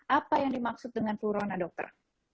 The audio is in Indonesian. apa yang dimaksud dengan flurona dokter